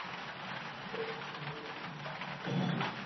যা হউক, অকালের ঠিক পূর্বলগ্নটাতে আসিয়া বিবাহের দিন ঠেকিল।